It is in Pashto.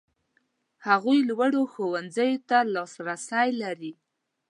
هغوی لوړو ښوونځیو ته لاسرسی لري.